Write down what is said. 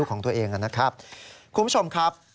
คุณผู้ชมครับเรื่องนี้นะครับเราก็ไปสอบถามทีมแพทย์ของโรงพยาบาลวานอนนิวาด